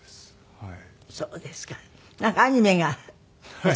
はい。